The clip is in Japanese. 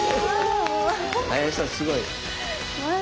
すごい。